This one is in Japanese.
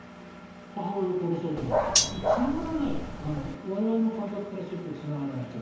母親を殺そうと思ったと我々の感覚からするとつながらない。